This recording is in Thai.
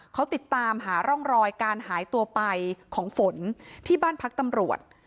เขาติดตามหาร่องรอยการหายตัวไปของฝนที่บ้านพักตำรวจ